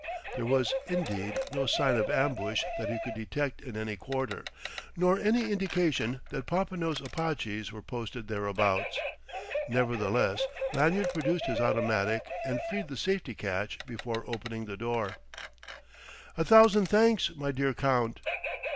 There was, indeed, no sign of ambush that he could detect in any quarter, nor any indication that Popinot's Apaches were posted thereabouts. Nevertheless, Lanyard produced his automatic and freed the safety catch before opening the door. "A thousand thanks, my dear Count!"